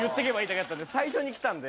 最初にきたんで。